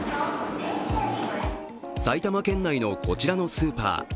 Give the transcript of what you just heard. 埼玉県内のこちらのスーパー。